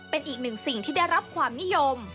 เป็นอีกหนึ่งสิ่งที่ได้รับความนิยม